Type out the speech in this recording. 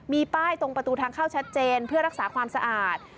มีป้ายตรงประตูทางเข้าชัดเจนเพื่อรักษาความสะอาด